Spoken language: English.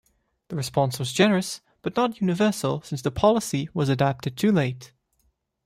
The response was generous but not universal since the policy was adopted too late.